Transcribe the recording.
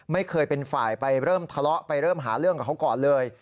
ไม่เคยเป็นฝ่ายไปเริ่มทะเลาะไปเริ่มหาเรื่องกับเขาก่อนเลย